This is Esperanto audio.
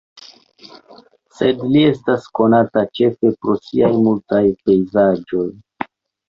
Sed li estas konata ĉefe pro siaj multaj pejzaĝoj.